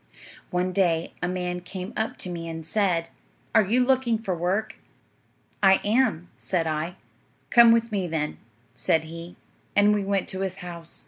"'One day a man came up to me and said, "Are you looking for work?" "I am," said I. "Come with me, then," said he; and we went to his house.